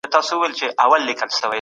په دغي کیسې کي يو لوی اتل دی.